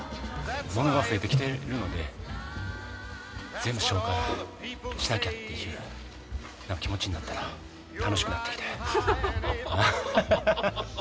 ものが増えてきてるので全部消化しなきゃっていう気持ちになったら楽しくなってきてアハハハハ。